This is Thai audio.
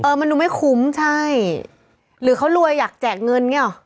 เออมันมันหนูไม่คุ้มใช่หรือเขารวยอยากแจกเงินเนี้ยอ่ะ